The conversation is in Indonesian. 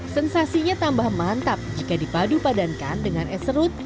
sensasinya tambah mantap jika dipadu padankan dengan esrut